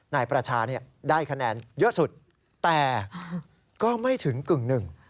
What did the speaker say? นายประชาได้คะแนนเยอะสุดแต่ก็ไม่ถึงกึ่งหนึ่ง